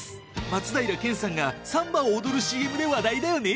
松平健さんがサンバを踊るＣＭで話題だよね。